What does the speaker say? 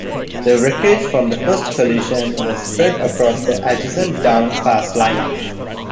The wreckage from the first collision was spread across the adjacent down fast line.